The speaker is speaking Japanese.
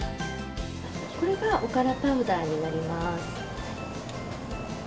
これが、おからパウダーになります。